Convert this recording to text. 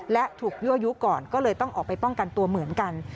และถูกยั่วยุก่อนก็เลยต้องออกไปป้องกันตัวเหมือนกัน